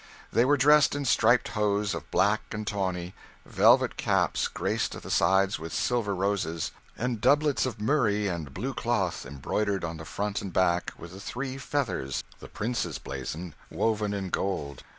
'They were dressed in striped hose of black and tawny, velvet caps graced at the sides with silver roses, and doublets of murrey and blue cloth, embroidered on the front and back with the three feathers, the prince's blazon, woven in gold.